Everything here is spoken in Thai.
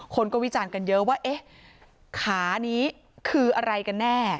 คนก็วิจารณ์กันเยอะว่าเอ๊ะขานี้คืออะไรกันแน่